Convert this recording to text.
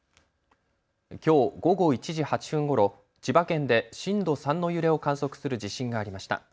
きょう午後１時８分ごろ、千葉県で震度３の揺れを観測する地震がありました。